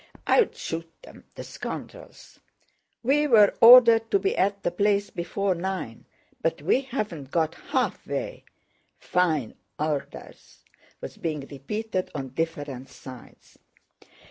"I'd shoot them, the scoundrels!" "We were ordered to be at the place before nine, but we haven't got halfway. Fine orders!" was being repeated on different sides.